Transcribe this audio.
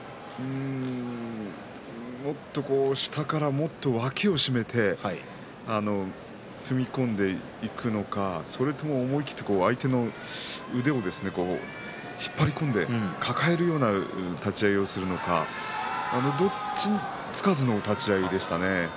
もっと下から脇を締めて踏み込んでいくのかそれとも思い切って相手の腕を引っ張り込んで抱えるような立ち合いをするのかどっちつかずの立ち合いでしたね。